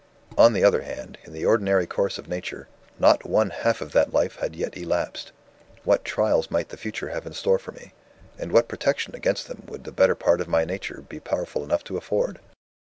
On the other hand, in the ordinary course of nature, not one half of that life had yet elapsed. What trials might the future have in store for me? and what protection against them would the better part of my nature be powerful enough to afford?